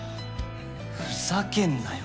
ふざけんなよ。